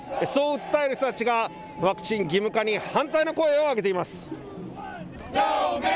そう訴える人たちがワクチン義務化に反対の声を上げています。